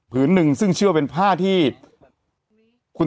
แต่หนูจะเอากับน้องเขามาแต่ว่า